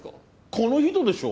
この人でしょ？